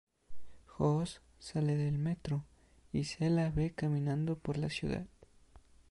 Joss sale del metro, y se la ve caminando por la ciudad.